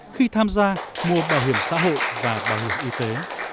khi tham gia mùa bảo hiểm xã hội và bảo hiểm y tế